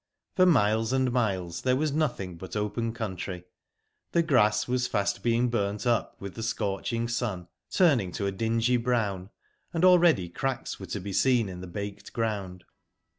For miles and miles there was nothing but open country. The grass was fast being burnt up with the scorching sun, turning to a dingy brown, and already cracks were to be seen in the baked ground.